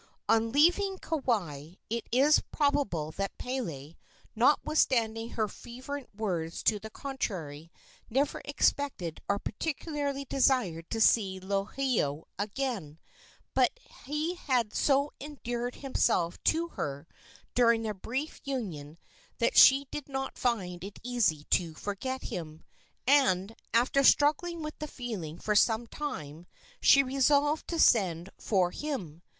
On leaving Kauai it is probable that Pele, notwithstanding her fervent words to the contrary, never expected or particularly desired to see Lohiau again; but he had so endeared himself to her during their brief union that she did not find it easy to forget him, and, after struggling with the feeling for some time, she resolved to send for him.